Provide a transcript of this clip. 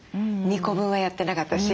２個分はやってなかったし。